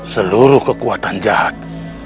seluruh kekuatan jahat